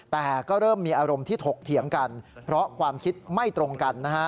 แต่ก็เริ่มมีอารมณ์ที่ถกเถียงกันเพราะความคิดไม่ตรงกันนะฮะ